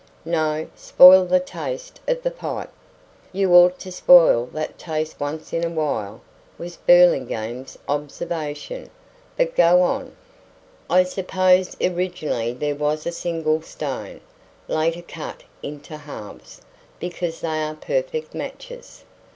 "No. Spoil the taste of the pipe." "You ought to spoil that taste once in a while," was Burlingame's observation. "But go on." "I suppose originally there was a single stone, later cut into halves, because they are perfect matches.